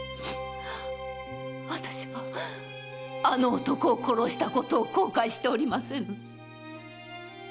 あたしはあの男を殺したことを後悔しておりません。